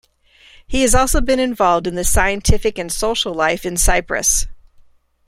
He has also been involved in the scientific and social life in Cyprus.